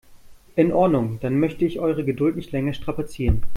In Ordnung, dann möchte ich eure Geduld nicht länger strapazieren.